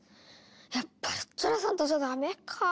やっぱルッチョラさんとじゃダメかぁ。